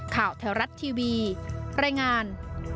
ข่าวแถวรัฐทีวีรายงาน